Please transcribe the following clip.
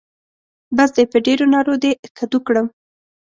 بس دی؛ په ډېرو نارو دې کدو کړم.